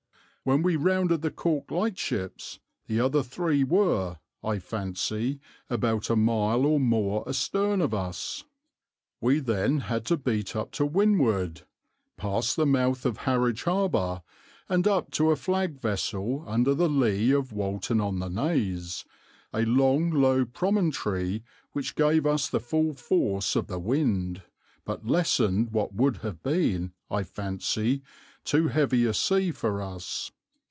When we rounded the Cork lightships the other three were, I fancy, about a mile or more astern of us. We had then to beat up to windward, passed the mouth of Harwich Harbour, and up to a flag vessel under the lee of Walton on the Naze, a long low promontory which gave us the full force of the wind, but lessened what would have been, I fancy, too heavy a sea for us.